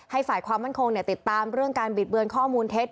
ฝ่ายความมั่นคงติดตามเรื่องการบิดเบือนข้อมูลเท็จ